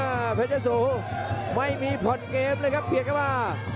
อ้าพระเจ้าโสไม่มีผ่อนเกมส์เลยครับเพียดเข้ามา